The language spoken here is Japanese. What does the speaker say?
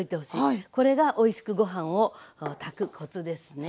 これがおいしくご飯を炊くコツですね。